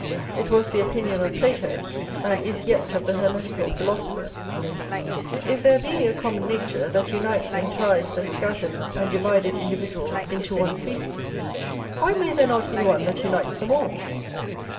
It was the opinion of Plato, and is yet of the hermetical philosophers. If there be a common nature, that unites and ties the scattered and divided individuals into one species, why may there not be one that unites them all?